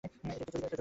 একটা জরুরি কথা আছে!